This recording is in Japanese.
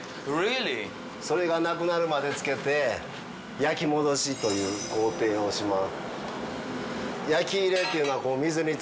それがなくなるまでつけて焼き戻しという工程をします。